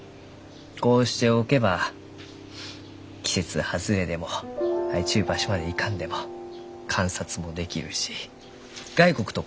こうしておけば季節外れでも生えちゅう場所まで行かんでも観察もできるし外国と交換もできる。